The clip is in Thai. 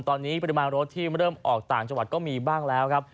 ตอนนี้ปริมาณรถที่เริ่มออกต่างจังหวัดก็มีบ้างแล้วครับ